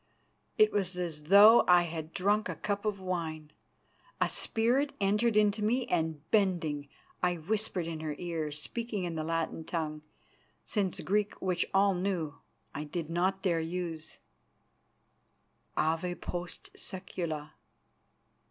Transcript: it was as though I had drunk a cup of wine. A spirit entered into me and, bending, I whispered in her ear, speaking in the Latin tongue, since Greek, which all knew, I did not dare to use, "_Ave post secula!